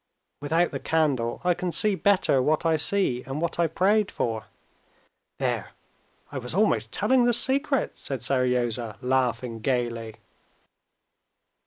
"Without the candle I can see better what I see and what I prayed for. There! I was almost telling the secret!" said Seryozha, laughing gaily.